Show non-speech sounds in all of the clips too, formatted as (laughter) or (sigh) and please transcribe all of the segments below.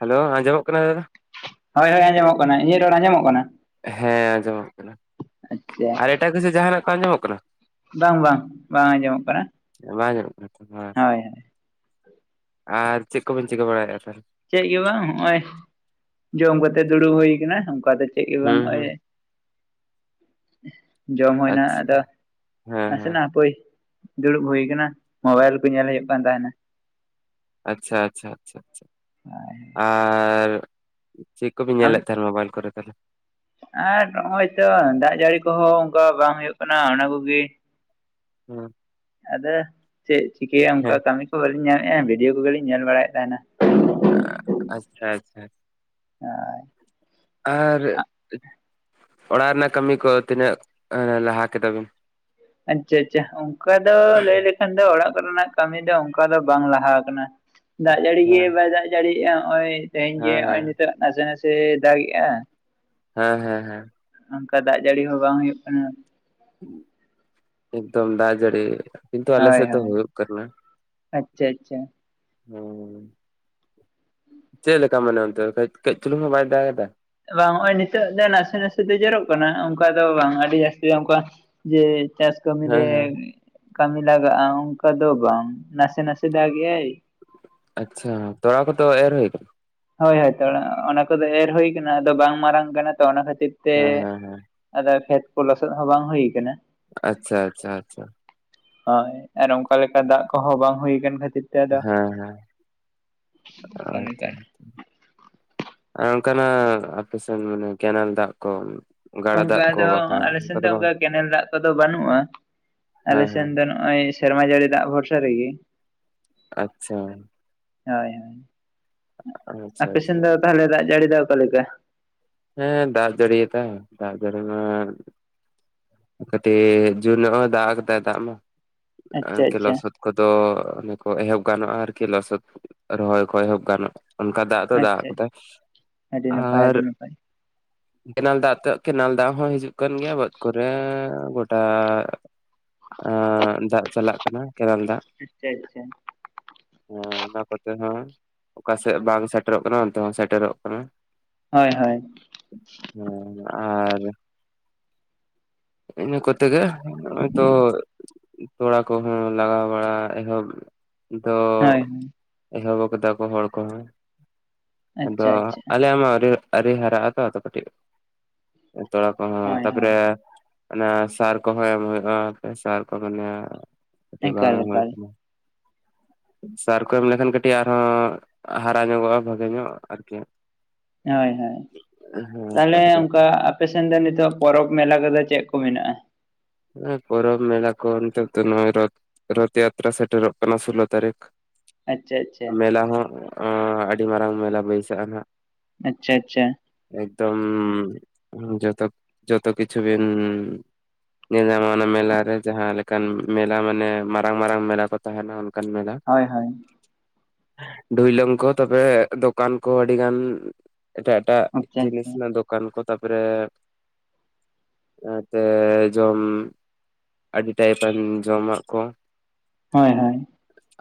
Hello ᱟᱸᱡᱚᱢᱚᱜ ᱠᱟᱱᱟ ᱫᱟᱫᱟ? ᱦᱳᱭ-ᱦᱳᱭ ᱟᱸᱡᱚᱢᱚᱜ ᱠᱟᱱᱟ᱾ ᱤᱧᱟᱹᱜ ᱨᱚᱲ ᱟᱸᱡᱚᱢᱚᱜ ᱠᱟᱱᱟ? ᱦᱮᱸ, ᱟᱸᱡᱚᱢᱚᱜ ᱠᱟᱱᱟ ᱟᱪᱪᱷᱟ ᱟᱨ ᱮᱴᱟᱜ ᱠᱤᱪᱷᱩ ᱡᱟᱦᱟᱱᱟᱜ ᱠᱚ ᱟᱸᱡᱚᱢᱚᱜ ᱠᱟᱱᱟ? ᱵᱟᱝ-ᱵᱟᱝ, ᱵᱟᱝ ᱟᱸᱡᱚᱢᱚᱜ ᱠᱟᱱᱟ᱾ ᱵᱟᱝ ᱡᱚᱢᱚᱜ ᱠᱟᱱᱟ ᱦᱩᱸ ᱦᱳᱭ ᱦᱳᱭ ᱟᱨ ᱪᱮᱜ ᱠᱚᱵᱤᱱ ᱪᱤᱠᱟᱹ ᱵᱟᱲᱟᱭᱮᱜᱼᱟ, ᱛᱟᱦᱞᱮ? ᱪᱮᱜ ᱜᱮ ᱵᱟᱸ ᱦᱚᱸᱜᱼᱚᱭ ᱡᱚᱢ ᱠᱟᱛᱮᱜ ᱫᱩᱲᱩᱵ ᱦᱩᱭ ᱠᱟᱱᱟ᱾ ᱚᱝᱠᱟ ᱫᱚ ᱪᱮᱜ ᱜᱮ ᱵᱟᱝ ᱦᱩᱸ ᱚᱭ᱾ ᱦᱩᱸ ᱡᱚᱢ ᱦᱳᱭᱱᱟ ᱟᱪᱪᱷᱟ ᱟᱫᱚ ᱦᱮᱸ ᱱᱟᱥᱮ ᱦᱮᱸ ᱱᱟᱜ ᱟᱯᱳᱭ ᱫᱩᱲᱩᱵ ᱦᱩᱭ ᱠᱟᱱᱟ, ᱢᱳᱵᱟᱭᱤᱞ ᱠᱚ ᱧᱮᱞ ᱦᱩᱭᱩᱜ ᱠᱟᱱ ᱛᱟᱦᱮᱱᱟ᱾ ᱟᱪᱪᱷᱟ, ᱪᱷᱟ, ᱪᱷᱟ, ᱪᱷᱟ᱾ ᱟᱨ ᱪᱮᱜ ᱠᱚᱵᱤᱱ ᱟᱢ ᱧᱮᱞᱮᱜ ᱛᱟᱦᱮᱱ ᱢᱳᱵᱟᱭᱤᱞ ᱠᱚᱨᱮ ᱫᱚ? ᱟᱨ ᱱᱚᱜᱼᱚᱭ ᱛᱚᱻ ᱫᱟᱜ ᱡᱟᱹᱲᱤ ᱠᱚᱦᱚ ᱚᱝᱠᱟ ᱵᱟᱝ ᱦᱳᱭᱩᱜ ᱠᱟᱱᱟ, ᱚᱱᱟ ᱠᱚᱜᱮ ᱦᱩᱸ᱾ ᱟᱫᱚ ᱪᱮᱜ ᱪᱤᱠᱟᱹᱭᱟᱢ ᱚᱝᱠᱟ ᱦᱮᱸ ᱠᱟᱹᱢᱤ ᱠᱚ ᱵᱟᱹᱞᱤᱧ ᱧᱟᱢᱮᱜᱼᱟ, ᱵᱤᱰᱭᱳ ᱠᱚᱜᱮᱞᱤᱧ ᱧᱮᱞ ᱵᱟᱲᱟᱭᱮᱜ ᱛᱟᱦᱮᱱᱟ᱾ ᱟᱸ ᱟᱪᱪᱷᱟ-ᱪᱷᱟ᱾ ᱳᱸᱭ᱾ ᱟᱨ ᱚᱲᱟᱜ ᱨᱮᱱᱟᱜ ᱠᱟᱹᱢᱤ ᱠᱚ ᱛᱤᱱᱟᱹᱜ ᱞᱟᱦᱟ ᱠᱮᱫᱟ ᱵᱤᱱ? ᱟᱪᱪᱷᱟ ᱟᱪᱪᱷᱟ, ᱚᱝᱠᱟ ᱫᱚ ᱞᱟᱹᱭ ᱞᱮᱠᱷᱟᱱ ᱫᱚ ᱚᱲᱟᱜ ᱠᱚᱨᱮᱱᱟᱜ ᱠᱟᱹᱢᱤ ᱫᱚ ᱚᱝᱠᱟ ᱫᱚ ᱵᱟᱝ ᱞᱟᱦᱟ ᱠᱟᱱᱟ ᱾ ᱫᱟᱜ ᱡᱟᱹᱲᱤ ᱜᱮ ᱦᱮᱸ ᱵᱟᱭ ᱫᱟᱜ ᱡᱟᱹᱲᱤᱭᱮᱜᱼᱟ ᱦᱚᱜᱼᱚᱭ ᱛᱮᱦᱮᱧ ᱜᱮ ᱦᱮᱸ ᱦᱚᱜᱼᱚᱭ ᱦᱮᱸ ᱱᱤᱛᱜ ᱱᱟᱥᱮ ᱱᱟᱥᱮ ᱫᱟᱜ ᱜᱮᱜᱼᱟ ᱾ ᱦᱮᱸ ᱦᱮᱸ ᱦᱮᱸ ᱾ ᱚᱝᱠᱟ ᱫᱟᱜ ᱡᱟᱹᱲᱤ ᱦᱚᱸ ᱵᱟᱝ ᱦᱩᱭᱩᱜ ᱠᱟᱱᱟ ᱾ ᱮᱠᱫᱚᱢ ᱫᱟᱜ ᱡᱟᱲᱤ ᱾ ᱠᱤᱱᱛᱩ ᱟᱞᱮ ᱦᱳᱭ ᱥᱮᱫ ᱫᱚ ᱦᱳᱭ ᱦᱳᱭᱳᱜ ᱠᱟᱱᱟ ᱟᱪᱪᱷᱟ ᱟᱪᱪᱷᱟ᱾ ᱾ ᱦᱮ, ᱪᱮᱫ ᱞᱮᱠᱟ ᱢᱟᱱᱮ ᱚᱱᱛᱮ ᱠᱟᱹᱡ ᱠᱟᱹᱡ ᱪᱩᱞᱩᱝ ᱦᱚᱸ ᱵᱟᱭ ᱫᱟᱜ ᱮᱫᱟ? ᱵᱟᱝ ᱦᱚᱜᱼᱚᱭ ᱱᱤᱛᱳᱜ ᱫᱚ ᱱᱟᱥᱮ ᱱᱟᱥᱮ ᱫᱚ ᱡᱚᱨᱚᱜ ᱠᱟᱱᱟ, ᱚᱝᱠᱟ ᱫᱚ ᱵᱟᱝ ᱟᱹᱰᱤ ᱡᱟᱹᱥᱛᱤ ᱫᱚ ᱚᱝᱠᱟ ᱡᱮ ᱪᱟᱥ ᱠᱟᱹᱢᱤ ᱦᱮᱸ ᱨᱮ ᱦᱮᱸ ᱠᱟᱹᱢᱤ ᱞᱟᱜᱟᱜᱼᱟ ᱚᱝᱠᱟ ᱫᱚ ᱵᱟᱝ, ᱱᱟᱥᱮ ᱱᱟᱥᱮ ᱫᱟᱜ ᱮᱭᱟᱭ ᱾ ᱟᱪᱪᱷᱟ ᱛᱚᱲᱟ ᱠᱚ ᱫᱚ ᱮᱨ ᱦᱳᱭ ᱠᱟᱱᱟ? ᱦᱳᱭ ᱦᱳᱭ ᱛᱚᱲᱟ ᱚᱱᱟ ᱠᱚᱫᱚ ᱮᱨ ᱦᱳᱭ ᱠᱟᱱᱟ, ᱟᱫᱚ ᱵᱟᱝ ᱢᱟᱨᱟᱝ ᱠᱟᱱᱟ ᱛᱚ ᱚᱱᱟ ᱠᱷᱟᱹᱛᱤᱨ ᱛᱮ ᱦᱮᱸ ᱦᱮᱸ ᱦᱮᱸ ᱟᱫᱚ ᱠᱷᱮᱛ ᱠᱚ ᱞᱚᱥᱚᱫ ᱦᱚᱸ ᱵᱟᱝ ᱦᱳᱭ ᱠᱟᱱᱟ ᱾ ᱟᱪᱪᱷᱟ ᱟᱪᱪᱷᱟ ᱟᱪᱪᱷᱟ ᱾ ᱦᱳᱭ, ᱟᱨ ᱚᱝᱠᱟ ᱞᱮᱠᱟ ᱫᱟᱜ ᱠᱚᱦᱚᱸ ᱵᱟᱝ ᱦᱳᱭ ᱠᱟᱱ ᱠᱷᱟᱹᱛᱤᱨ ᱛᱮ ᱟᱫᱚ ᱦᱮᱸ ᱦᱮᱸ ᱠᱟᱹᱢᱤ ᱟᱪᱪᱷᱟ ᱠᱟᱡ ᱟᱨ ᱚᱱᱠᱟᱱᱟᱜ ᱟᱯᱮᱥᱮᱱ ᱢᱟᱱᱮ ᱠᱮᱱᱮᱞ ᱫᱟᱜ ᱠᱚ ᱜᱟᱰᱟ ᱫᱟᱜ ᱚᱝᱠᱟ ᱠᱚ ᱫᱚ ᱵᱟᱠᱷᱟᱱ ᱟᱞᱮᱥᱮᱱ ᱚᱱᱠᱟ ᱫᱚ ᱵᱟᱝ ᱚᱝᱠᱟ ᱠᱮᱱᱮᱞ ᱫᱟᱜ ᱠᱚᱫᱚ ᱵᱟᱹᱱᱩᱜᱼᱟ, ᱦᱮᱸ ᱟᱞᱮᱥᱮᱱ ᱦᱮᱸ ᱫᱚ ᱱᱚᱜ ᱚᱭ ᱥᱮᱨᱢᱟ ᱡᱟᱹᱲᱤ ᱫᱟᱜ ᱵᱷᱚᱨᱥᱟ ᱨᱮᱜᱮ ᱾ ᱟᱪᱪᱷᱟ ᱾ ᱦᱳᱭ, ᱦᱳᱭ, ᱟᱪᱪᱷᱟ ᱟᱯᱮ ᱥᱮᱱ ᱟᱪᱪᱷᱟ ᱫᱚ ᱛᱟᱦᱚᱞᱮ ᱫᱟᱜ ᱡᱟᱹᱲᱤ ᱫᱚ ᱚᱠᱟ ᱞᱮᱠᱟ? ᱦᱮᱸ ᱫᱟᱜ ᱡᱟᱹᱲᱤᱭᱮᱫᱟ ᱫᱟᱜ ᱡᱟᱹᱲᱤ ᱢᱟᱻ ᱠᱟᱴᱤᱡᱻ ᱡᱳᱨ ᱱᱚᱜ ᱦᱚᱸ ᱫᱟᱜ ᱟᱠᱟᱭ ᱫᱟᱜ ᱢᱟ ᱟᱨ ᱟᱪᱪᱷᱟ ᱤᱝᱠᱟᱹ ᱟᱪᱪᱷᱟ ᱞᱚᱥᱚᱫ ᱠᱚᱫᱚ ᱚᱱᱮ ᱠᱚ ᱮᱦᱚᱵ ᱜᱟᱱᱚᱜᱼᱟ ᱟᱨᱠᱤ ᱞᱚᱥᱚᱫ ᱨᱚᱦᱚᱭ ᱠᱚ ᱮᱦᱚᱵ ᱜᱟᱱᱚᱜᱼᱟ ᱾ ᱚᱱᱠᱟ ᱫᱟᱜ ᱫᱚ ᱫᱟᱜ ᱟᱪᱪᱷᱟ ᱠᱚᱫᱟᱭ, ᱟᱹᱰᱤ ᱱᱟᱯᱟᱭ ᱟᱨ ᱟᱹᱰᱤ ᱱᱟᱯᱟᱭ ᱠᱮᱱᱮᱞ ᱫᱟᱜ ᱛᱮᱜ ᱠᱮᱱᱮᱞ ᱫᱟᱜ ᱦᱚᱸ ᱦᱤᱡᱩᱜ ᱠᱟᱱ ᱜᱮᱭᱟ ᱵᱟᱹᱫᱽ ᱠᱚᱛ ᱨᱮᱻ ᱜᱚᱴᱟᱻ ᱟᱻ ᱫᱟᱜ ᱪᱟᱞᱟᱜ ᱠᱟᱱᱟ ᱠᱮᱱᱮᱞ ᱫᱟᱜ ᱟᱪᱪᱷᱟ ᱟᱪᱪᱷᱟ ᱾ ᱦᱮᱸ, ᱚᱱᱟ ᱠᱚᱛᱮ ᱦᱚᱸ ᱚᱠᱟᱥᱮᱜ ᱵᱟᱝ ᱥᱮᱴᱮᱨᱚᱜ ᱠᱟᱱᱟ ᱚᱱᱛᱮ ᱦᱚᱸ ᱥᱮᱴᱮᱨᱚᱜ ᱠᱟᱱᱟ ᱾ ᱦᱳᱭ ᱦᱳᱭ ᱾ ᱦᱮᱸᱻ ᱟᱨᱻ ᱤᱱᱟᱹ ᱠᱚ ᱛᱮᱜᱮ ᱱᱚᱜᱼᱚᱭ ᱛᱚ ᱛᱚᱲᱟ ᱠᱚᱦᱚᱸ ᱞᱟᱜᱟᱣ ᱵᱟᱲᱟ ᱮᱦᱚᱵ ᱫᱚ ᱦᱳᱭ ᱦᱳᱭ ᱮᱦᱚᱵ ᱠᱟᱫᱟ ᱠᱚ ᱦᱚᱲ ᱠᱚᱦᱚᱸ ᱾ ᱟᱫᱚ ᱟᱪᱪᱷᱟ ᱟᱪᱪᱷᱟ ᱟᱞᱮᱭᱟᱜ ᱢᱟ ᱟᱹᱣᱨᱤ ᱟᱹᱨᱤ ᱦᱟᱨᱟᱜ ᱟᱛᱚ ᱟᱛᱚ ᱠᱟᱹᱴᱤᱡ ᱛᱚᱲᱟ ᱠᱚᱦᱚᱸ ᱦᱳᱭ ᱦᱳᱭ ᱛᱟᱯᱚᱨᱮ ᱚᱱᱟ ᱥᱟᱨ ᱠᱚᱦᱚᱸ ᱮᱢ ᱦᱩᱭᱩᱜᱼᱟ, ᱥᱟᱨ ᱠᱚ ᱢᱟᱱᱮ ᱠᱟᱹᱴᱤᱡ ᱵᱟᱝ ᱮᱠᱟᱞ ᱮᱢ ᱦᱳᱭ ᱮᱠᱟᱞ ᱠᱟᱱᱟ ᱾ (unintelligible) ᱥᱟᱨ ᱠᱚ ᱮᱢ ᱞᱮᱠᱷᱟᱱ ᱠᱟᱹᱴᱤᱡ ᱟᱨᱦᱚᱸ ᱦᱟᱨᱟ ᱧᱚᱜᱚᱜᱼᱟ ᱵᱷᱟᱜᱮ ᱧᱚᱜ ᱟᱨᱠᱤ ᱾ ᱦᱳᱭ, ᱦᱳᱭ, ᱛᱟᱦᱚᱞᱮ ᱛᱟᱯᱚᱨᱮ ᱚᱱᱠᱟ ᱟ ᱯᱮ ᱥᱮᱱ ᱫᱚ ᱱᱤᱛᱚᱜ ᱯᱚᱨᱚᱵᱽ ᱢᱮᱞᱟ ᱠᱚᱫᱚ ᱪᱮᱜ ᱠᱚ ᱢᱮᱱᱟᱜᱼᱟ? ᱦᱮᱸ, ᱯᱚᱨᱚᱵᱽ ᱢᱮᱞᱟ ᱠᱚ ᱱᱤᱛᱚᱜ ᱫᱚ ᱱᱚᱜᱼᱚᱭ ᱨᱚᱛ ᱨᱚᱛᱷ ᱡᱟᱛᱨᱟ ᱥᱮᱴᱮᱨᱚᱜ ᱠᱟᱱᱟ ᱥᱳᱞᱳ ᱛᱟᱹᱨᱤᱠᱷ ᱾ ᱟᱪᱪᱷᱟ ᱟᱪᱪᱷᱟ ᱢᱮᱞᱟ ᱦᱚᱸ ᱚᱸᱻ ᱟᱹᱰᱤ ᱢᱟᱨᱟᱝ ᱢᱮᱞᱟ ᱵᱟᱹᱭᱥᱟᱹᱜᱼᱟ ᱱᱟᱦᱟᱜ ᱾ ᱟᱪᱪᱷᱟ ᱟᱪᱪᱷᱟ᱾ ᱮᱠᱫᱚᱢ ᱡᱚᱛᱚ ᱡᱚᱛᱚ ᱠᱤᱪᱷᱩ ᱵᱤᱱ ᱧᱮᱞ ᱧᱟᱢᱚᱜᱟ ᱚᱱᱟ ᱢᱮᱞᱟ ᱨᱮ ᱡᱟᱦᱟᱸ ᱞᱮᱠᱟᱱ ᱢᱮᱞᱟ ᱢᱟᱱᱮ ᱢᱟᱨᱟᱝ ᱢᱟᱨᱟᱝ ᱢᱮᱞᱟ ᱠᱚ ᱛᱟᱦᱮᱱᱟ, ᱠᱟᱱ ᱢᱮᱞᱟ᱾ ᱦᱳᱭ ᱦᱳᱭ ᱰᱩᱭᱞᱟᱹᱢ ᱠᱚ ᱛᱚᱯᱮ ᱫᱚᱠᱟᱱ ᱠᱚ ᱟᱹᱰᱤ ᱜᱟᱱ ᱮᱴᱟᱜ ᱮ ᱮᱴᱟᱜ ᱟᱪᱪᱷᱟ ᱡᱤᱱᱤᱥ ᱟᱪᱪᱷᱟ ᱨᱮᱱᱟᱜ ᱫᱚᱠᱟᱱ ᱠᱚ ᱛᱟᱯᱚᱨᱮ ᱮᱛᱮ ᱡᱚᱢ ᱟᱹᱰᱤ ᱴᱟᱭᱤᱯᱟᱱ ᱡᱚᱢᱟᱜ ᱠᱚ, ᱦᱚᱸᱭ ᱦᱚᱸᱭ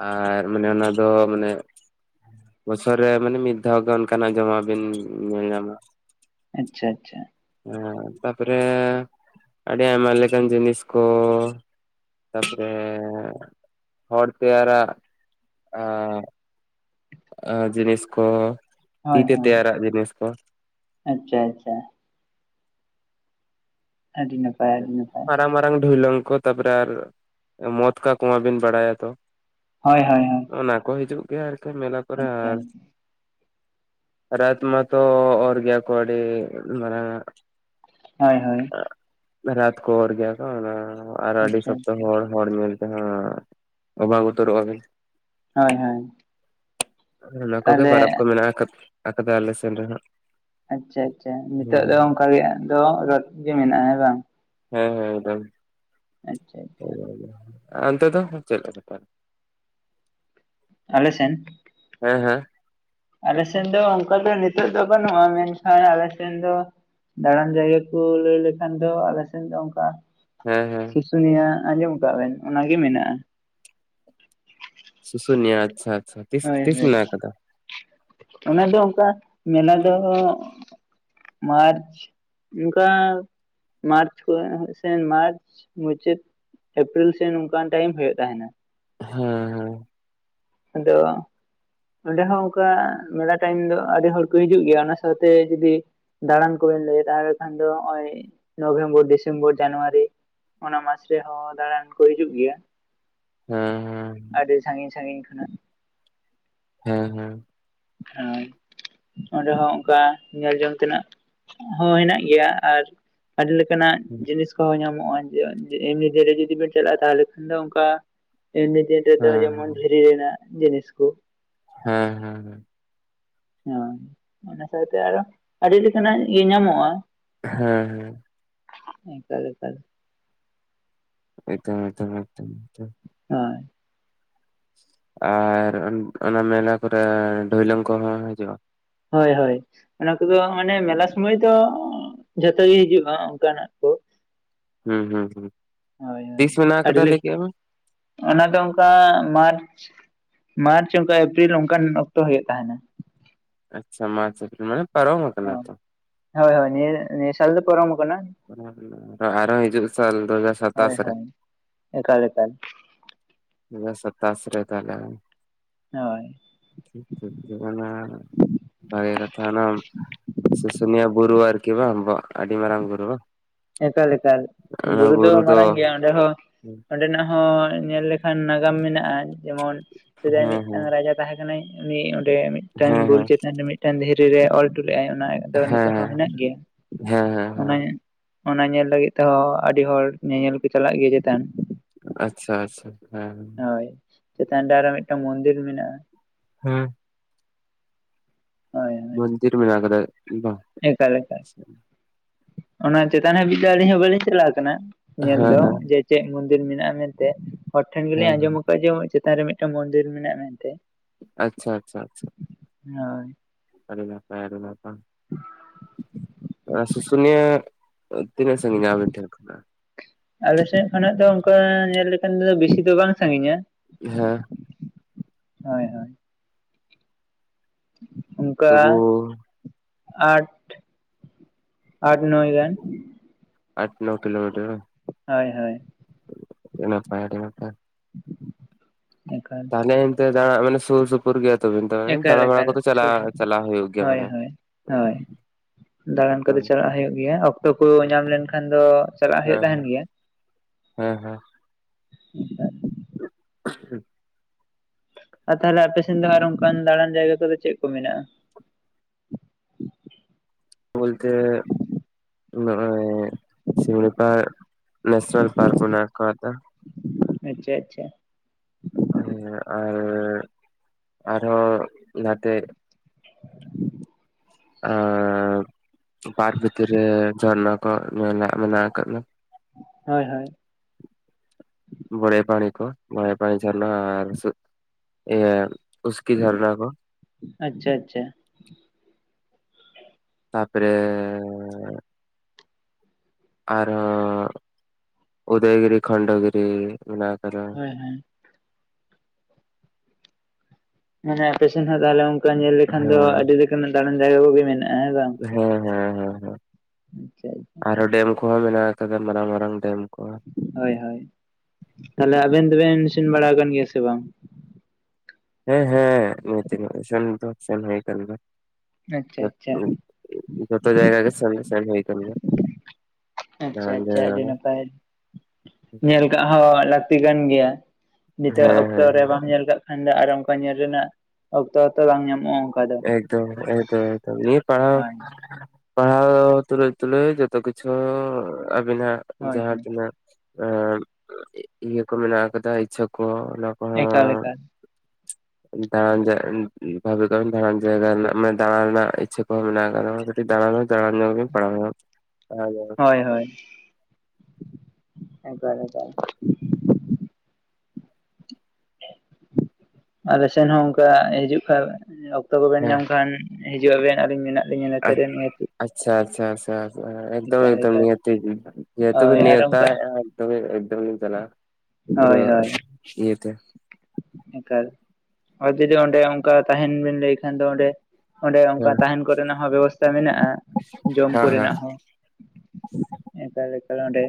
ᱟᱨ ᱢᱟᱱᱮ ᱚᱱᱟ ᱫᱚ ᱢᱟᱱᱮ ᱵᱚᱪᱷᱚᱨ ᱨᱮ ᱢᱟᱱᱮ ᱢᱤᱫ ᱫᱷᱟᱣ ᱜᱮ ᱚᱱᱠᱟᱱᱟᱜ ᱡᱚᱢᱟᱜ ᱵᱤᱱ ᱧᱮᱞ ᱧᱟᱢᱟ᱾ ᱟᱪᱪᱷᱟ ᱟᱪᱪᱷᱟ ᱦᱮᱸ ᱛᱟᱯᱚᱨᱮ ᱟᱹᱰᱤ ᱟᱭᱢᱟ ᱞᱮᱠᱟᱱ ᱡᱤᱱᱤᱥ ᱠᱚ, ᱛᱟᱯᱚᱨᱮ ᱦᱚᱲ ᱛᱮᱭᱟᱨᱟ-ᱜ ᱮᱸᱻ ᱟᱸᱻ ᱡᱤᱱᱤᱥ ᱠᱚ ᱦᱮᱸ ᱛᱤᱛᱮ ᱦᱮᱸ ᱛᱮᱭᱟᱨᱟᱜ ᱡᱤᱱᱤᱥ ᱠᱚ ᱟᱪᱪᱷᱟ ᱟᱪᱪᱷᱟ ᱟᱹᱰᱤ ᱱᱟᱯᱟᱭ ᱟᱹᱰᱤ ᱱᱟᱯᱟᱭ ᱢᱟᱨᱟᱝ ᱢᱟᱨᱟᱝ ᱰᱷᱩᱭᱞᱝ ᱠᱚ ᱛᱟᱯᱚᱨᱮ ᱟᱨ ᱢᱚᱛ ᱠᱟ ᱠᱚᱶᱟ ᱵᱤᱱ ᱵᱟᱲᱟᱭᱟ ᱛᱚ, ᱦᱚᱭ ᱦᱚᱭ ᱦᱚᱭ ᱚᱱᱟ ᱠᱚ ᱦᱤᱡᱩᱜ ᱜᱮᱭᱟ ᱟᱨᱠᱤ ᱢᱮᱞᱟ ᱠᱚᱨᱮ ᱟᱨ ᱟᱪᱪᱷᱟ ᱨᱟᱡ ᱢᱟᱛᱚ ᱚᱨ ᱜᱮᱭᱟ ᱠᱚ ᱟᱹᱰᱤ ᱢᱟᱨᱟᱝ ᱟᱜ᱾ ᱦᱳᱭ ᱦᱳᱭ ᱨᱟᱛ ᱠᱚ ᱚᱨ ᱜᱮᱭᱟ ᱠᱚ ᱟᱨᱚ ᱟᱹᱰᱤ ᱟᱪᱪᱷᱟ ᱟᱪᱪᱷᱟ ᱥᱯᱛᱚᱦᱚ ᱦᱚᱲ, ᱦᱚᱲ ᱧᱮᱞ ᱛᱮᱦᱟᱸᱜ ᱚᱵ ᱩᱛᱟᱹᱨᱚᱜ-ᱟ ᱵᱤᱱ ᱦᱳᱭ ᱦᱳᱭ ᱚᱱᱟ ᱠᱚᱜᱮ ᱛᱟᱦᱚᱞᱮ ᱯᱟᱨᱟᱵᱽ ᱠᱚ ᱢᱮᱱᱟᱜ ᱟᱠᱟᱫ ᱟᱠᱟᱫᱟ ᱟᱞᱮ ᱥᱮᱱ ᱨᱮ ᱦᱚᱸᱟᱜ᱾ ᱟᱪᱪᱷᱟ ᱟᱪᱪᱷᱟ ᱱᱤᱛᱳᱜ ᱫᱚ ᱚᱱᱠᱟ ᱜᱮ ᱟᱫᱚ ᱨᱚᱫ ᱜᱮ ᱢᱮᱱᱟᱜ-ᱟ ᱦᱮᱸ ᱵᱟᱝ᱾ ᱦᱮᱸ ᱦᱮᱸ ᱚᱱᱴᱟᱱ᱾ ᱟᱸᱪᱪᱷᱟᱪ ᱳᱭ ᱟᱱᱛᱮ ᱫᱚ ᱪᱮᱫ ᱞᱮᱠᱟ ‌ᱵᱮᱯᱟᱨ? ᱟᱞᱮ ᱥᱮᱱ? ᱦᱮᱸ ᱦᱮᱸ ᱟᱞᱮ ᱥᱮᱱ ᱫᱚ ᱚᱱᱠᱟ ᱫᱚ ᱱᱤᱛᱳᱜ ᱫᱚ ᱵᱟᱹᱱᱩᱜ-ᱟ ᱢᱮᱱᱠᱷᱟᱱ ᱟᱞᱮ ᱥᱮᱱ ᱫᱚ ᱫᱟᱬᱟᱱ ᱡᱟᱭᱜᱟ ᱠᱩ ᱞᱟᱹᱭ ᱞᱮᱠᱷᱟᱱ ᱫᱚ ᱟᱞᱮ ᱥᱮᱱ ᱫᱚ ᱚᱱᱠᱟ ᱦᱮᱸ ᱦᱮᱸ ᱠᱤᱥᱩᱱᱤᱭᱟ ᱟᱸᱡᱚᱢ ᱟᱠᱟᱜ-ᱟ ᱵᱮᱱ ᱚᱱᱟ ᱜᱮ ᱢᱮᱱᱟᱜ-ᱟ᱾ ᱥᱩᱥᱩᱱᱤᱭᱟ ᱟᱪᱪᱷᱟ ᱟᱪᱪᱷᱟ᱾ ᱛᱤᱥ ᱦᱳᱭ ᱛᱤᱥ ᱦᱳᱭ ᱢᱮᱱᱟᱜ ᱟᱠᱟᱫᱟ ᱚᱱᱟ ᱫᱚ ᱚᱝᱠᱟ ᱢᱮᱞᱟ ᱫᱚ ᱢᱟᱨᱪ ᱚᱝᱠᱟ ᱢᱟᱨᱪ ᱠᱚ ᱥᱮ ᱢᱟᱨᱪ ᱢᱩᱪᱟᱹᱫ ᱮᱯᱨᱤᱞ ᱥᱮᱱ ᱱᱚᱝᱠᱟᱱ ᱴᱟᱭᱤᱢ ᱦᱩᱭᱩᱜ ᱛᱟᱦᱮᱱᱟ᱾ ᱦᱮᱸ ᱦᱮᱸ᱾ ᱟᱫᱚ ᱱᱚᱸᱰᱮ ᱦᱚᱸ ᱚᱝᱠᱟ ᱢᱮᱞᱟ ᱴᱟᱭᱤᱢ ᱫᱚ ᱟᱹᱰᱤ ᱦᱚᱲ ᱠᱚ ᱦᱤᱡᱩᱜ ᱜᱮᱭᱟ ᱚᱱᱟ ᱥᱟᱶᱛᱮ ᱡᱩᱫᱤ ᱫᱟᱬᱟᱱ ᱠᱚᱵᱮᱱ ᱞᱟᱹᱭ ᱫᱟ ᱠᱷᱟᱱ ᱫᱚ ᱦᱚᱸᱜ-ᱚᱭ ᱱᱚᱵᱷᱮᱢᱵᱚᱨ ᱰᱤᱥᱮᱢᱵᱚᱨ ᱡᱟᱱᱣᱟᱨᱤ, ᱚᱱᱟ ᱢᱟᱥ ᱨᱮᱦᱚᱸ ᱫᱟᱬᱟᱱ ᱠᱚ ᱦᱤᱡᱩᱜ ᱜᱮᱭᱟ᱾ ᱦᱮᱸ ᱦᱮᱸ᱾ ᱟᱰᱤ ᱥᱟᱸᱜᱤᱧ ᱥᱟᱸᱜᱤᱧ ᱠᱷᱚᱱᱟᱜ ᱦᱮᱸ ᱦᱮᱸ ᱾ (unintelligible) ᱚᱸᱰᱮ ᱦᱚᱸ ᱚᱱᱠᱟ ᱧᱮᱞ ᱡᱚᱝ ᱛᱮᱱᱟᱜ ᱦᱚᱸ ᱦᱮᱱᱟᱜ ᱜᱮᱭᱟ, ᱟᱨ ᱟᱰᱤ ᱞᱮᱠᱟ ᱱᱟᱜ ᱡᱤᱱᱤᱥ ᱠᱚᱦᱚᱸ ᱧᱟᱢᱚᱜ-ᱟ ᱾ ᱡᱮᱚᱱ ᱡᱮ ᱮᱢᱱᱤ ᱫᱤᱱ ᱨᱮ ᱡᱩᱫᱤ ᱵᱮᱱ ᱪᱟᱞᱟᱜ-ᱟ ᱛᱟᱦᱚᱞᱮ ᱠᱷᱟᱱ ᱫᱚ ᱚᱱᱠᱟ ᱮᱢᱱᱤ ᱫᱤᱱ ᱨᱮᱫᱚ ᱡᱮᱢᱚᱱ ᱦᱮᱸ ᱫᱷᱤᱨᱤ ᱨᱮᱱᱟᱜ ᱡᱤᱱᱤᱥ ᱠᱩ, ᱦᱮᱸ ᱦᱮᱸ ᱦᱮᱸ᱾ ᱦᱮᱸ ᱚᱱᱟ ᱥᱟᱶᱛᱮ ᱟᱨᱚ ᱟᱹᱰᱤ ᱞᱮᱠᱟᱱᱟᱜ ᱜᱤ‌ ᱧᱟᱢᱚᱜ-ᱟ ᱾ ᱦᱮᱸ ᱦᱮᱸ᱾ (inaudible) (inaudible) (inaudible) ᱟᱨ ᱚᱱ ᱚᱱᱟ ᱢᱮᱞᱟ ᱠᱚᱨᱮ ᱰᱷᱚᱭᱞᱚᱝ ᱠᱚᱦᱚᱸ ᱦᱤᱡᱩᱜ-ᱟ? ᱦᱚᱭ ᱦᱚᱭ ᱚᱱᱟ ᱠᱚᱫᱚ ᱢᱟᱱᱮ ᱢᱮᱞᱟ ᱥᱩᱢᱟᱹᱭ ᱫᱚ ᱡᱷᱚᱛᱚ ᱜᱮ ᱦᱤᱡᱩᱜ-ᱟ ᱚᱱᱠᱟ ᱱᱟᱜ ᱠᱚ ᱾ ᱦᱩᱸ ᱦᱩᱸ ᱦᱩᱸ ᱦᱳᱭ ᱦᱳᱭ ᱛᱤᱥ ᱢᱮᱱᱟᱜ ᱟᱹᱰᱤ ᱟᱠᱟᱫᱟ ᱞᱟᱹᱭ ᱞᱮᱠ ᱠᱮᱜ-ᱟ ᱵᱤᱱ? ᱚᱱᱟ ᱫᱚ ᱚᱱᱠᱟ ᱢᱟᱨᱪ ᱢᱟᱨᱪ ᱚᱱᱠᱟ ᱮᱯᱨᱤᱞ ᱚᱱᱠᱟᱱ ᱚᱠᱛᱚ ᱦᱩᱭᱩᱜ ᱛᱟᱦᱮᱱᱟ ᱾ ᱟᱪᱪᱷᱟ ᱢᱟᱪ ᱮᱯᱨᱤᱞ ᱢᱟᱱᱮ ᱯᱟᱨᱚᱢ ᱟᱠᱟᱱᱟ ᱛᱚ᱾ ᱦᱚᱭ ᱦᱚᱭ ᱱᱤᱭᱟᱹ ᱱᱤᱭᱟᱹ ᱥᱟᱞ ᱫᱚ ᱯᱚᱨᱚᱢ ᱠᱟᱱᱟ᱾ ᱛᱚ ᱟᱨᱚ ᱦᱤᱡᱩᱜ ᱥᱟᱞ ᱫᱩ ᱦᱟᱡᱟᱨ ᱥᱟᱛᱟᱥ ᱦᱳᱭ ᱨᱮ ᱾ ᱦᱳᱭ ᱮᱠᱟᱞ ᱮᱠᱟᱞ ᱾ ᱫᱩ ᱦᱟᱡᱟᱨ ᱥᱟᱛᱟᱥ ᱨᱮ ᱛᱟᱦᱞᱮ ᱾ ᱦᱚᱭ ᱾ (inaudible) ᱥᱩᱥᱩᱱᱤᱭᱟ ᱵᱩᱨᱩ ᱟᱨᱠᱤ ᱵᱟᱝ ᱵᱚ ᱟᱰᱤ ᱢᱟᱨᱟᱝ ᱵᱩᱨᱩ᱾ ᱮᱠᱟᱞ ᱮᱠᱟᱞ ᱵᱩᱨᱩ ᱫᱚ ᱢᱟᱨᱟᱝ ᱜᱮᱭᱟ ᱚᱸᱰᱮ ᱦᱚᱸ ᱚᱸᱰᱮ ᱱᱟᱜ ᱦᱚᱸ ᱧᱮᱞ ᱞᱮᱠᱷᱟᱱ ᱱᱟᱜᱟᱢ ᱢᱮᱱᱟᱜ-ᱟ, ᱡᱮᱢᱚᱱ ᱥᱮᱫᱟᱭ ᱦᱮᱸ ᱦᱮᱸ ᱢᱤᱫᱴᱟᱝ ᱨᱟᱡᱟ ᱛᱟᱦᱮᱸ ᱠᱟᱱᱟᱭ ᱩᱱᱤ ᱚᱸᱰᱮ ᱢᱤᱫᱴᱟᱝ ᱵᱩᱨᱩ ᱦᱮᱸ ᱪᱮᱛᱟᱱ ᱨᱮ ᱢᱤᱫᱴᱟᱝ ᱫᱷᱤᱨᱤ ᱨᱮ ᱚᱞ ᱦᱚᱴᱚ ᱞᱮᱫ ᱟᱭ ᱚᱱᱟ ᱟᱫᱚ ᱦᱮᱸ ᱦᱮᱸ ᱱᱤᱛᱚᱜ ᱦᱚᱸ ᱦᱮᱱᱟᱜ ᱜᱮᱭᱟ ᱦᱮᱸ ᱦᱮᱸ ᱦᱮᱸ ᱚᱱᱟ ᱦᱮᱸ ᱮ ᱚᱱᱟ ᱧᱮᱞ ᱞᱟᱹᱜᱤᱫ ᱛᱮᱦᱚᱸ ᱟᱹᱰᱤ ᱦᱚᱲ ᱧᱮᱧᱮᱞ ᱠᱚ ᱪᱟᱞᱟᱜ ᱜᱮᱭᱟ ᱪᱮᱛᱟᱱ ᱾ ᱟᱪᱪᱷᱟ ᱟᱪᱪᱷᱟ ᱦᱮᱸ ᱦᱮᱸ ᱦᱳᱭ ᱪᱮᱛᱟᱱ ᱨᱮ ᱟᱨᱦᱚᱸ ᱢᱤᱫᱴᱟᱹᱝ ᱢᱚᱱᱫᱤᱨ ᱢᱮᱱᱟᱜᱼᱟ᱾ ᱦᱩᱸ ᱦᱳᱭ, ᱦᱳᱭ ᱢᱚᱱᱫᱤᱨ ᱢᱮᱱᱟᱜ ᱠᱟᱫᱟ ᱵᱟᱝ ᱮᱠᱟᱞ ᱮᱠᱟᱞ ᱦᱮᱸ ᱚᱱᱟ ᱪᱮᱛᱟᱱ ᱦᱟᱹᱵᱤᱡ ᱫᱚ ᱟᱹᱞᱤᱧ ᱦᱚᱸ ᱵᱟᱹᱞᱤᱧ ᱪᱟᱞᱟᱜ ᱠᱟᱱᱟ ᱾ ᱧᱮᱞ ᱫᱚ ᱦᱮᱸ ᱡᱮ ᱪᱮᱫ ᱢᱚᱱᱫᱤᱨ ᱢᱮᱱᱟᱜᱼᱟ ᱢᱮᱱᱛᱮ ᱦᱚᱲ ᱴᱷᱮᱱ ᱜᱮᱞᱤᱧ ᱦᱮᱸ ᱟᱸᱡᱚᱢ ᱟᱡᱚᱢᱟᱹᱧ ᱪᱮᱛᱟᱱ ᱨᱮ ᱢᱤᱫᱴᱮᱱ ᱢᱚᱱᱫᱤᱨ ᱢᱮᱱᱟᱜᱼᱟ ᱢᱮᱱᱛᱮ᱾ ᱟᱪᱪᱷᱟ ᱟᱪᱪᱷᱟ ᱟᱪᱪᱷᱟ ᱾ ᱦᱳᱭ ᱾ ᱟᱹᱰᱤ ᱱᱟᱯᱟᱭ ᱟᱹᱰᱤ ᱱᱟᱯᱟᱭ ᱾ ᱥᱩᱥᱩᱱᱤᱭᱟᱹ ᱛᱤᱱᱟᱹᱜ ᱥᱟᱹᱜᱤᱧᱟ ᱟᱹᱵᱤᱱ ᱴᱷᱮᱱ ᱠᱷᱚᱱᱟᱜ? ᱟᱞᱮ ᱥᱮᱫ ᱠᱷᱚᱱᱟᱜ ᱫᱚ ᱚᱱᱠᱟ ᱧᱮᱞ ᱞᱮᱠᱷᱟᱱ ᱫᱚ ᱵᱮᱥᱤ ᱫᱚ ᱵᱟᱝ ᱥᱟᱺᱜᱤᱧᱟ ᱾ ᱦᱮᱸ ᱦᱳᱭ ᱦᱳᱭ ᱾ ᱚᱱᱠᱟ ᱛᱚᱵᱩ ᱟᱴ, ᱟᱴ ᱱᱚᱭ ᱜᱟᱱ ᱾ ᱟᱴ ᱱᱚ ᱠᱤᱞᱳᱢᱤᱴᱟᱨ ᱵᱟᱝ (inaudible) ᱦᱳᱸᱭ ᱦᱳᱸᱭ ᱾ ᱱᱟᱯᱟᱭ ᱟᱹᱰᱤ ᱱᱟᱯᱟᱭ ᱾ ᱮᱠᱟᱞ ᱾ ᱦᱟᱱᱮ ᱦᱟᱱᱛᱮ ᱫᱟᱬᱟ ᱢᱟᱱᱮ ᱥᱩᱨ ᱥᱩ ᱯᱩᱨ ᱜᱮᱭᱟ ᱛᱚᱵᱤᱱ ᱛᱚᱵᱮ, ᱫᱟᱬᱟᱱ ᱮᱠᱟᱞ ᱫᱟᱬᱟ ᱵᱟᱲᱟ ᱮᱠᱟᱞ ᱠᱚᱫᱚ ᱪᱟᱞᱟᱣ ᱥᱩᱨ ᱪᱟᱞᱟᱣ ᱦᱩᱭᱩᱜ ᱜᱮᱭᱟ ᱦᱳᱭ ᱢᱟᱱᱮ ᱾ ᱦᱳᱭ ᱦᱳᱭ ᱫᱟᱬᱟᱱ ᱠᱚᱫᱚ ᱪᱟᱞᱟᱜ ᱦᱩᱭᱩᱜ ᱜᱮᱭᱟ, ᱚᱠᱛᱚ ᱠᱚ ᱧᱟᱢ ᱞᱮᱱᱠᱷᱟᱱ ᱫᱚ ᱪᱟᱞᱟᱜ ᱦᱩᱭᱩᱜ ᱦᱮᱸ ᱛᱟᱸᱦᱮᱱ ᱦᱮᱸ ᱜᱮᱭᱟ ᱾ ᱦᱮᱸ ᱦᱮᱸ ᱾ (unintelligible) (unintelligible) ᱟᱨ ᱛᱟᱦᱚᱞᱮ ᱟᱯᱮᱥᱱ ᱫᱚ ᱟᱨ ᱚᱱᱠᱟᱱ ᱫᱟᱬᱟᱱ ᱡᱟᱭᱜᱟ ᱠᱚᱫᱚ ᱪᱮᱫ ᱠᱚ ᱢᱮᱱᱟᱜᱼᱟ? ᱵᱚᱞᱛᱮ ᱱᱚᱜᱼᱚᱭ ᱥᱤᱢᱞᱟᱹ ᱯᱟᱨᱠ, ᱱᱮᱥᱱᱟᱞ ᱯᱟᱨᱠ ᱢᱮᱱᱟᱜ ᱠᱟᱛᱟ ᱾ ᱟᱪᱪᱷᱟ ᱟᱪᱪᱷᱟ ᱾ ᱦᱮᱸ ᱟᱨ, ᱟᱨᱦᱚᱸ ᱱᱟᱛᱮᱼᱼ ᱟᱨ ᱯᱟᱨᱠ ᱵᱷᱤᱛᱨᱤ ᱨᱮ ᱡᱷᱚᱨᱱᱟ ᱠᱚ ᱢᱮᱱᱟᱜ, ᱢᱮᱱᱟᱜ ᱠᱟᱫᱟ ᱾ ᱦᱳᱭ ᱦᱳᱭ ᱾ ᱵᱚᱲᱮ ᱯᱟᱱᱤ ᱠᱚ, ᱵᱚᱲᱮ ᱯᱟᱱᱤ ᱡᱷᱟᱨᱱᱟ ᱟᱨ ᱪᱮᱫ ᱤᱭᱟᱹ ᱩᱥᱠᱤ ᱡᱷᱚᱨᱱᱟ ᱠᱚ ᱾ ᱟᱪᱪᱷᱟ ᱟᱪᱪᱷᱟ ᱾ ᱛᱟᱯᱚᱨᱮ ᱚᱼᱼ ᱟᱨᱦᱚᱸ, ᱩᱫᱚᱭ ᱜᱤᱨᱤ ᱠᱷᱚᱱᱰᱚ ᱜᱤᱨᱤ ᱢᱮᱱᱟᱜ ᱟᱠᱟᱫᱟ ᱾ ᱦᱮᱸ (inaudible) ᱢᱟᱱᱮ ᱟᱯᱮ ᱥᱮᱱ ᱦᱚᱸ ᱛᱟᱦᱚᱞᱮ ᱚᱱᱠᱟ ᱧᱮᱞ ᱞᱮᱠᱷᱟᱱ ᱫᱚ ᱦᱮᱸ ᱟᱹᱰᱤ ᱞᱮᱠᱟᱱᱟᱜ ᱫᱟᱬᱟᱱ ᱡᱟᱭᱜᱟ ᱠᱚᱜᱮ ᱢᱮᱱᱟᱜᱼᱟ ᱦᱮᱸ ᱵᱟᱝ? ᱦᱮᱸ ᱦᱮᱸ ᱦᱮᱸ ᱦᱮᱸ ᱾ ᱟᱪᱪᱷᱟ ᱟᱪᱪᱷᱟ ᱾ ᱟᱨᱦᱚᱸ ᱰᱮᱢ ᱠᱚᱦᱚᱸ ᱢᱮᱱᱟᱜ ᱟᱠᱟᱫᱟ, ᱢᱟᱨᱟᱝ ᱢᱟᱨᱟᱝ ᱰᱮᱢ ᱠᱚ ᱾ ᱦᱳᱭ ᱦᱳᱭ, ᱛᱟᱦᱚᱞᱮ ᱟᱵᱤᱱ ᱫᱚᱵᱤᱱ ᱥᱮᱱ ᱵᱟᱲᱟ ᱟᱠᱟᱱ ᱜᱮᱭᱟ ᱥᱮ ᱵᱟᱝ? ᱦᱮᱸ ᱦᱮᱸ ᱥᱮᱱ (inaudible) ᱫᱤᱱ ᱫᱚ ᱥᱮᱱ ᱦᱩᱭ ᱠᱟᱱ ᱜᱮᱭᱟ ᱾ ᱟᱪᱪᱷᱟ ᱟᱪᱪᱷᱟ (unintelligible) ᱡᱚᱛᱚ ᱡᱟᱭᱜᱟ ᱜᱮ ᱥᱮᱱ ᱫᱚ ᱥᱮᱱ ᱦᱩᱭ ᱠᱟᱱ ᱜᱮᱭᱟ ᱾ ᱟᱪᱪᱷᱟ ᱟᱪᱪᱷᱟ, ᱟᱹᱰᱤ ᱱᱟᱯᱟᱭ ᱧᱮᱞᱼᱼ ᱠᱟᱜᱼᱟ ᱞᱟᱹᱠᱛᱤ ᱠᱟᱱ ᱜᱮᱭᱟ, ᱱᱤᱛᱚᱜ ᱦᱮᱸ ᱚᱠᱛᱚ ᱨᱮ ᱦᱮᱸ ᱵᱟᱢ ᱧᱮᱞ ᱠᱟᱜᱼᱼ ᱠᱷᱟᱱ ᱫᱚ ᱟᱨᱚ ᱚᱱᱠᱟ ᱧᱮᱞ ᱨᱮᱱᱟᱜ, ᱚᱠᱛᱚ ᱦᱚᱸᱛᱚ ᱵᱟᱝ ᱧᱟᱢᱚᱜᱼᱟ ᱾ ᱮᱠᱫᱚᱢ ᱮᱠᱫᱚᱢ ᱮᱠᱫᱚᱢ ᱱᱤᱭᱟᱹ ᱯᱟᱲᱦᱟᱣᱼᱼ ᱦᱳᱭ ᱯᱟᱲᱦᱟᱣ ᱛᱩᱞᱩᱡ ᱛᱩᱞᱩᱡ ᱡᱷᱚᱛᱚ ᱠᱤᱪᱷᱩ ᱟᱵᱤᱱᱟᱜ ᱦᱳᱭ ᱡᱟᱦᱟᱸ ᱦᱳᱭ ᱛᱤᱱᱟᱹᱜᱼᱼ ᱟ (inaudible) ᱤᱭᱟᱹ ᱠᱚ ᱢᱮᱱᱟᱜ ᱠᱟᱫᱟ ᱤᱪᱪᱷᱟ ᱠᱚ ᱾ ᱮᱠᱟᱞ ᱮᱠᱟᱞ ᱾ ᱵᱟᱝ ᱵᱟᱜ (unintelligible) ᱫᱟᱬᱟᱱ ᱡᱟᱭᱜᱟ ᱨᱮᱱᱟ ᱫᱟᱬᱟᱱ ᱨᱮᱱᱟᱜ ᱤᱪᱪᱷᱟᱹ ᱠᱚᱦᱚᱸ ᱢᱮᱱᱟᱜ ᱟᱠᱟᱫᱟ ᱾ ᱠᱟᱹᱴᱤᱡ ᱫᱟᱬᱟᱱ ᱫᱚ ᱫᱟᱬᱟᱱ ᱧᱚᱜᱽ ᱢᱮ ᱯᱟᱲᱟᱣ ᱢᱮ ᱾ ᱦᱚᱭ ᱦᱚᱭ, ᱮᱠᱟᱨ ᱮᱠᱟᱨ (unintelligible) ᱟᱞᱮ ᱥᱮᱱ ᱦᱚᱸ ᱚᱱᱠᱟ ᱦᱤᱡᱩᱜ ᱠᱷᱟᱱ, ᱚᱠᱛᱚ ᱠᱚᱵᱮᱱ ᱦᱮᱸ ᱧᱟᱢ ᱠᱷᱟᱱᱼᱼ ᱦᱤᱡᱩᱜ ᱟᱵᱮᱱ ᱟᱹᱞᱤᱧ ᱢᱮᱱᱟᱜ ᱞᱤᱧᱟ ᱱᱚᱛᱮᱨᱮ ᱢᱮᱥᱼᱼ ᱟᱪᱪᱷᱟ ᱟᱪᱪᱷᱟ ᱟᱪᱪᱷᱟ᱾ ᱦᱮᱸ ᱮᱫᱚᱢ ᱮᱫᱚᱢ ᱮᱠᱟᱞ ᱱᱤᱦᱟᱹᱛᱤ ᱡᱮᱦᱩᱛᱩ ᱦᱳᱭ ᱵᱤᱱ ᱟᱨ ᱚᱱᱠᱟ ᱱᱮᱣᱛᱟᱭᱮᱜ-ᱟ ᱛᱚᱵᱮ ᱮᱠᱫᱚᱢ ᱞᱤᱧ ᱧᱟᱞᱟᱜ-ᱟ᱾ ᱯᱩᱨᱟᱹ ᱦᱳᱭ ᱦᱳᱭ ᱤᱭᱟᱹ ᱛᱮ᱾ ᱮᱠᱟᱞ, ᱟᱨ ᱡᱩᱫᱤ ᱚᱸᱰᱮ ᱚᱱᱠᱟ ᱛᱟᱦᱮᱱ ᱵᱤᱱ ᱞᱟᱹᱭ ᱠᱷᱟᱱ ᱫᱚ ᱚᱸᱰᱮ ᱚᱸᱰᱮ ᱚᱱᱠᱟ ᱦᱮᱸ ᱛᱟᱦᱮᱱ ᱠᱚᱨᱮᱱᱟᱜ ᱦᱚᱸ ᱵᱮᱵᱚᱥᱛᱟ ᱢᱮᱱᱟᱜᱼᱟ ᱡᱚᱢ ᱦᱮᱸ ᱠᱚᱨᱮᱱᱟᱜ ᱦᱚᱸ᱾ (inaudible) ᱮᱠᱟᱞ ᱮᱠᱟᱞ ᱚᱸᱰᱮ᱾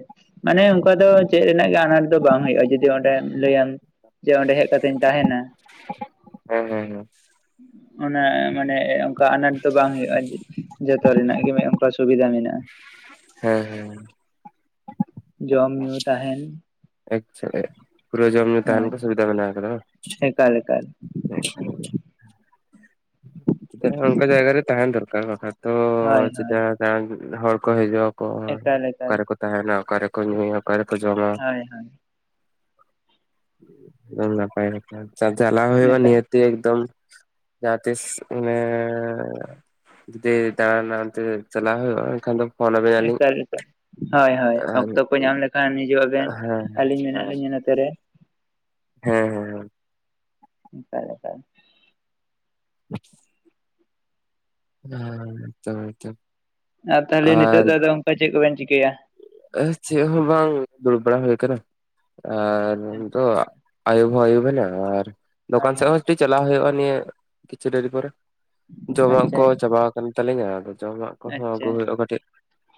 ᱢᱟᱱᱮ ᱚᱱᱠᱟ ᱫᱚ ᱪᱮᱫ ᱨᱮᱱᱟᱜ ᱜᱮ ᱟᱱᱟᱴ ᱫᱚ ᱵᱟᱝ ᱦᱳᱭᱳᱜᱼᱟ ᱡᱩᱫᱤ ᱚᱸᱰᱮᱢ ᱞᱟᱹᱭᱟᱢ ᱡᱮ ᱚᱸᱰᱮ ᱦᱮᱡ ᱠᱟᱛᱤᱧ ᱛᱟᱦᱮᱱᱟ, ᱦᱮᱸ ᱦᱮᱸ ᱦᱮᱸ ᱦᱮᱸ ᱚᱱᱟ ᱢᱟᱱᱮ ᱚᱱᱠᱟ ᱟᱱᱟᱴ ᱫᱚ ᱵᱟᱝ ᱦᱩᱭᱩᱜᱼᱟ ᱡᱮ ᱡᱚᱛᱚ ᱨᱮᱱᱟᱜ ᱜᱮ ᱢᱮ ᱚᱱᱠᱟ ᱥᱩᱵᱤᱫᱷᱟ ᱢᱮᱱᱟᱜᱼᱟ᱾ ᱦᱮᱸ ᱦᱮᱸ᱾ ᱡᱚᱢ ᱧᱩ ᱛᱟᱦᱮᱱ, (unintelligible) ᱯᱩᱨᱟᱹ ᱡᱚᱢ ᱧᱩ ᱛᱟᱦᱮᱱ ᱦᱳᱭ ᱠᱚ ᱥᱩᱵᱤᱫᱟ ᱢᱮᱱᱟᱜ ᱟᱠᱟᱫᱟ᱾ ᱮᱠᱟᱞ ᱮᱠᱟᱞ᱾ (unintelligible) ᱪᱤᱠᱟ ᱚᱱᱠᱟ ᱡᱟᱭᱜᱟ ᱨᱮ ᱛᱟᱦᱮᱱ ᱫᱚᱨᱠᱟᱨ ᱵᱟᱠᱷᱟᱡ ᱛᱚ ᱦᱳᱭ ᱦᱳᱭ ᱪᱮᱫᱟᱜ ᱫᱟᱲᱟᱱ ᱦᱚᱲ ᱠᱚ ᱦᱤᱡᱩᱜ-ᱟ ᱠᱚ, ᱮᱠᱟᱞ ᱚᱠᱟ ᱮᱠᱟᱞ ᱨᱮᱠᱚ ᱛᱟᱦᱮᱱᱟ ᱚᱠᱟ ᱨᱮᱠᱚ ᱧᱩᱭᱟ ᱚᱠᱟ ᱨᱮᱠᱚ ᱡᱚᱢᱟ᱾ ᱦᱳᱭ ᱦᱳᱭ (unintelligible) ᱱᱟᱯᱟᱭ ᱠᱟᱛᱷᱟ ᱪᱟ ᱪᱟᱞᱟᱣ ᱦᱩᱭᱩᱜᱼᱟ ᱮᱠᱟᱞ ᱱᱤᱭᱟᱹ ᱛᱮ ᱮᱫᱚᱢ ᱡᱟᱦᱟ ᱛᱤᱥ ᱚᱱᱮᱻ ᱫᱤᱭᱮ ᱫᱟᱬᱟᱱᱟ ᱚᱱᱛᱮ ᱪᱟᱞᱟᱜ ᱦᱩᱭᱩᱜᱼᱟ ᱮᱱᱠᱷᱟᱱ ᱫᱚ ᱯᱷᱳᱱ ᱟᱵᱮᱱᱟ ᱞᱤᱧ ᱮᱠᱟᱞ ᱮᱠᱟᱞ, ᱦᱳᱭ ᱦᱳᱭ ᱟᱨ ᱚᱠᱛᱚ ᱠᱚ ᱧᱟᱢ ᱞᱮ ᱠᱷᱟᱱ ᱦᱤᱡᱩ ᱟᱵᱮᱱ ᱦᱮᱸ ᱟᱹᱞᱤᱧ ᱢᱮᱱᱟᱜ ᱞᱤᱧᱟᱹ ᱱᱚᱛᱮ ᱨᱮ᱾ ᱦᱮᱸ ᱦᱮᱸ ᱦᱮᱸ᱾ ᱮᱠᱟᱞ ᱮᱠᱟᱞ᱾ (inaudible) ᱦᱮᱸ ᱪᱟᱞᱟᱣ ᱦᱚᱪᱚᱱ᱾ ᱟᱨ ᱛᱟᱦᱚᱞᱮ ᱱᱤᱛᱚᱜ ᱫᱚ ᱟᱫᱚ ᱚᱱᱠᱟ ᱪᱮᱫ ᱠᱚᱵᱮᱱ ᱪᱤᱠᱟᱹᱭᱟ? ᱮ ᱪᱮᱫ ᱦᱚᱸ ᱵᱟᱝ ᱫᱩᱲᱩᱵ ᱵᱟᱲᱟ ᱦᱩᱭ ᱠᱟᱱᱟ᱾ ᱟᱨ ᱱᱤᱛ ᱫᱚ ᱟᱭᱩᱵ ᱦᱚᱸ ᱟᱭᱩᱵ ᱵᱮᱱᱟ ᱟᱨ ᱦᱳᱭ ᱫᱚᱠᱟᱱ ᱥᱮᱫ ᱦᱳᱭ ᱦᱚᱸ ᱴᱤᱡ ᱪᱟᱞᱟᱣ ᱦᱩᱭᱩᱜᱼᱟ ᱱᱤᱭᱟᱹ ᱠᱤᱪᱷᱩ ᱰᱮᱨᱤ ᱯᱚᱨᱮ, ᱡᱚᱢᱟᱜ ᱟᱪᱪᱷᱟ ᱠᱚ ᱪᱟᱵᱟ ᱠᱟᱱ ᱛᱟᱞᱤᱧᱟ ᱟᱫᱚ ᱡᱚᱢᱟᱜ ᱠᱚᱦᱚᱸ ᱟᱹᱜᱩ ᱟᱪᱪᱷᱟ, ᱦᱩᱭᱩᱜᱼᱟ ᱠᱟᱹᱴᱤᱡ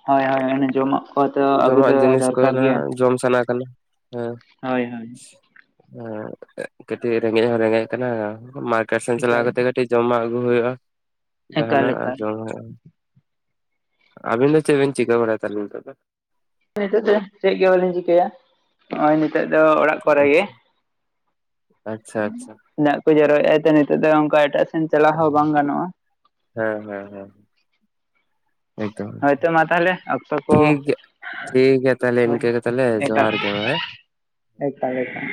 ᱦᱳᱭ ᱦᱳᱭ ᱤᱱᱟᱹ ᱡᱚᱢᱟᱜ᱾ ᱠᱚ ᱛᱚ ᱟᱵᱚ ᱫᱚ ᱡᱚᱢᱟᱜ ᱡᱤᱱᱤᱥ ᱠᱚᱜᱮ ᱫᱚᱨᱠᱟᱨ ᱱᱟᱜ ᱜᱮᱭᱟ ᱡᱚᱢ ᱥᱟᱱᱟ ᱠᱟᱱᱟ, ᱦᱮᱸ᱾ ᱦᱳᱭ ᱦᱳᱭ᱾ ᱮᱸ ᱠᱟᱹᱴᱤᱡ ᱨᱮᱸᱜᱮᱡ ᱦᱚᱸ ᱨᱮᱸᱜᱮᱡ ᱠᱟᱱᱟ ᱢᱟᱨᱠᱮᱴ ᱥᱮᱱ ᱪᱟᱞᱟᱣ ᱮᱠᱟᱞ ᱠᱟᱛᱮ ᱠᱟᱹᱴᱤᱡ ᱡᱚᱢᱟᱜ ᱟᱹᱜᱩ ᱦᱩᱭᱩᱜᱼᱟ ᱮᱠᱟᱞ ᱡᱟᱦᱟᱱᱟᱜ ᱟᱨ ᱮᱠᱟᱞ ᱡᱚᱢ ᱦᱩᱭᱩᱜᱼᱟ᱾ ᱟᱵᱤᱱ ᱫᱚ ᱪᱮᱫ ᱵᱤᱱ ᱪᱤᱠᱟᱹ ᱵᱟᱲᱟᱭᱟ ᱛᱟᱞᱦᱮ ᱱᱤᱛᱳᱜ ᱫᱚ? ᱱᱤᱛᱚᱜ ᱫᱚ ᱪᱮᱫ ᱜᱮ ᱵᱟᱹᱞᱤᱧ ᱪᱤᱠᱟᱹᱭᱟ ᱦᱚᱸᱜᱼᱚᱭ ᱱᱤᱛᱚᱜ ᱫᱚ ᱚᱲᱟᱜ ᱠᱚᱨᱮ ᱜᱮ᱾ ᱟᱪᱪᱷᱟ ᱟᱪᱪᱷᱟ᱾ ᱫᱟᱜ ᱠᱚ ᱡᱟᱨᱚᱭᱮᱫᱼᱟ ᱛᱚ ᱱᱤᱛᱚᱜ ᱫᱚ ᱚᱱᱠᱟ ᱮᱴᱟᱜ ᱥᱮᱱ ᱪᱟᱞᱟᱣ ᱦᱚᱸ ᱵᱟᱝ ᱜᱟᱱᱚᱜᱼᱟ᱾ ᱦᱮᱸ ᱦᱮᱸ ᱦᱮᱸ ᱮᱫᱚᱢ, ᱦᱳᱭᱛᱚ ᱢᱟ ᱛᱟᱦᱚᱞᱮ ᱚᱠᱛᱚ ᱠᱚ ᱴᱷᱤᱠ ᱜᱮᱭᱟ᱾ ᱴᱷᱤᱠ ᱜᱮᱭᱟ ᱛᱟᱞᱦᱮ ᱦᱳᱭ ᱤᱱᱠᱟᱹ ᱜᱮ ᱛᱟᱞᱦᱮ, ᱮᱠᱟᱞ ᱡᱚᱦᱟᱨ ᱜᱮ ᱢᱟ, ᱦᱮᱸ? ᱮᱠᱟᱞ ᱮᱠᱟᱞ᱾